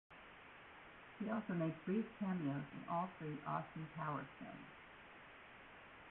He also made brief cameos in all three "Austin Powers" films.